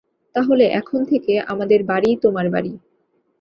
তাহলে এখন থেকে, আমাদের বাড়িই তোমার বাড়ি।